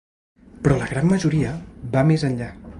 Però la gran majoria va més enllà.